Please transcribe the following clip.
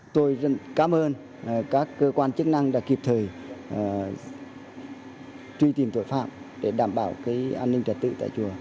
tôi cảm ơn các cơ quan chức năng đã kịp thời truy tìm tội phạm để đảm bảo an ninh trật tự tại chùa